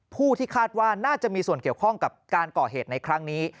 ผู้ที่คาดว่าน่าจะมีส่วนเกี่ยวข้องกับการก่อเหตุในครั้งนี้